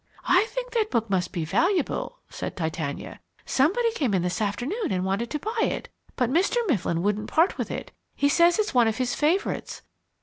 "I think that book must be valuable," said Titania. "Somebody came in this afternoon and wanted to buy it, but Mr. Mifflin wouldn't part with it. He says it's one of his favourites.